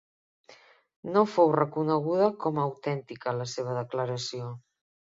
No fou reconeguda com a autèntica la seva declaració.